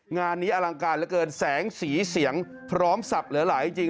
งานนี้อลังการเหลือเกินแสงสีเสียงพร้อมสับเหลือหลายจริง